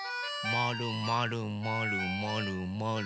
まるまるまるまるまる。